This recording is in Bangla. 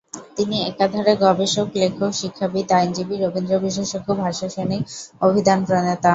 তিনি একাধারে গবেষক, লেখক, শিক্ষাবিদ, আইনজীবী, রবীন্দ্র বিশেষজ্ঞ, ভাষা সৈনিক, অভিধানপ্রণেতা।